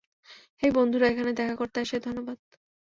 হেই, বন্ধুরা, এখানে দেখা করতে আসায় ধন্যবাদ।